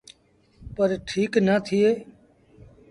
پر ٺيٚڪ نآ ٿئي۔